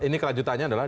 ini kelanjutannya adalah